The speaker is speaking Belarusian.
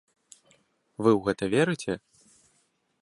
Вы ў гэта верыце?